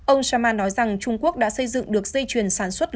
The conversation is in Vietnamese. ông sama nói rằng trung quốc đã xây dựng được dây chuyền sản xuất